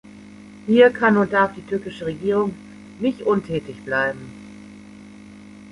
Hier kann und darf die türkische Regierung nicht untätig bleiben.